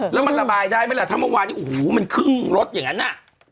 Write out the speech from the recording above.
แล้วมันระบายได้ไหมล่ะถ้าเมื่อวานนี้โอ้โหมันครึ่งรถอย่างนั้นน่ะ